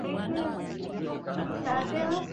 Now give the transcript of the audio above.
Sita choka kumshukuru Mungu wangu